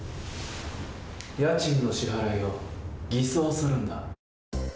家賃の支払いを偽装するんだ。